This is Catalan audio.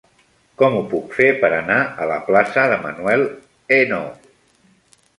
Com ho puc fer per anar a la plaça de Manuel Ainaud?